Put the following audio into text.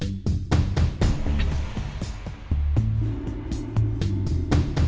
อันนี้เปิดแล้วค่ะ